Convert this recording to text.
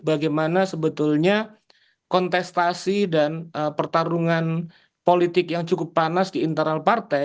bagaimana sebetulnya kontestasi dan pertarungan politik yang cukup panas di internal partai